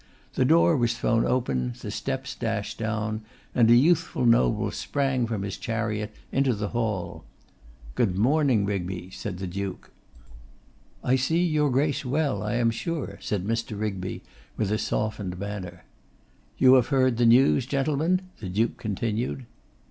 The door was thrown open, the steps dashed down, and a youthful noble sprang from his chariot into the hall. 'Good morning, Rigby,' said the Duke. 'I see your Grace well, I am sure,' said Mr. Rigby, with a softened manner. 'You have heard the news, gentlemen?' the Duke continued.